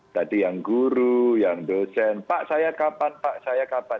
jadi yang guru yang dosen pak saya kapan pak saya kapan